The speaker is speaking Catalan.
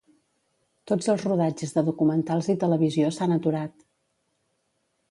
Tots els rodatges de documentals i televisió s'han aturat.